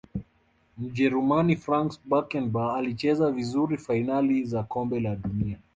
mjerumani franz beckenbauer alicheza vizuri fainali za kombe la dunia